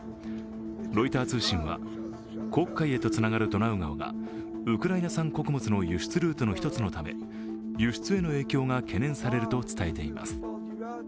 ロイター通信は黒海へとつながるドナウ川がウクライナ産穀物の輸出ルートの１つのため、輸出への影響が懸念されると伝えています。